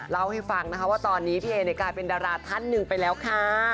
เล่าให้ฟังนะคะว่าตอนนี้พี่เอกลายเป็นดาราท่านหนึ่งไปแล้วค่ะ